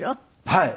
はい。